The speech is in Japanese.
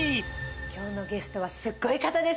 今日のゲストはすっごい方ですよ。